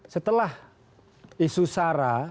setelah isu sarah